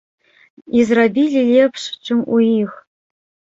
І зрабілі лепш, чым у іх.